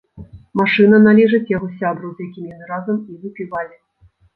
Машына належыць яго сябру, з якім яны разам і выпівалі.